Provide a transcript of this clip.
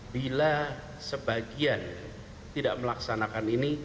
bila sebagian tidak melaksanakan